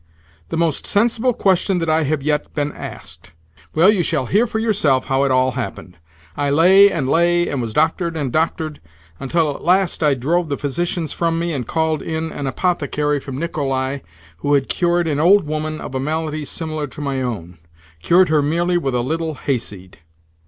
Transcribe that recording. "The most sensible question that I have yet been asked! Well, you shall hear for yourself how it all happened. I lay and lay, and was doctored and doctored, until at last I drove the physicians from me, and called in an apothecary from Nicolai who had cured an old woman of a malady similar to my own—cured her merely with a little hayseed.